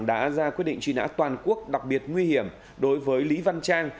đã ra quyết định truy nã toàn quốc đặc biệt nguy hiểm đối với lý văn trang